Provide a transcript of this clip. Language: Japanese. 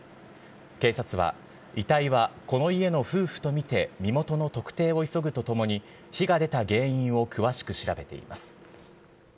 警察は、遺体はこの家の夫婦と見て身元の特定を急ぐとともに、火が出た原因を詳しく調べています。